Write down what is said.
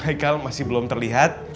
aikal masih belum terlihat